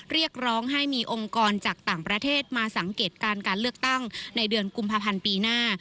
เรียกร้องให้มีองค์กรจากต่างประเทศมาสังเกตการการเลือกตั้งในเดือนกุมภาพันธ์ปีหน้า